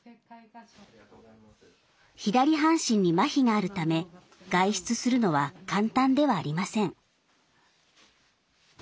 左半身にまひがあるため外出するのは簡単ではありません。